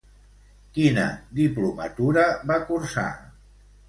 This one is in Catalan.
Quina diplomatura va cursar?